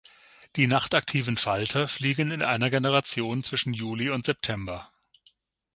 Die nachtaktiven Falter fliegen in einer Generation zwischen Juli und September.